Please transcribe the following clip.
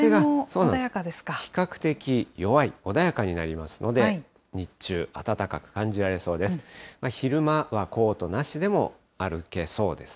比較的弱い、穏やかになりますので、日中、暖かく感じられそうです。